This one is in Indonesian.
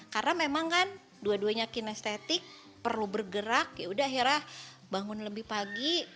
karena memang kan dua duanya kinestetik perlu bergerak ya udah akhirnya bangun lebih pagi